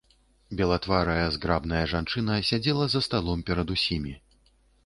Белатварая, зграбная жанчына сядзела за сталом перад усімі.